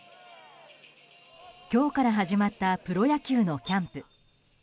今日から始まったプロ野球のキャンプ。